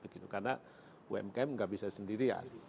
karena umkm gak bisa sendirian